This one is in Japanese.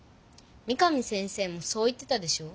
三上先生もそう言ってたでしょ。